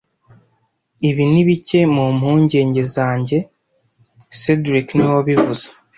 Ibi ni bike mu mpungenge zanjye cedric niwe wabivuze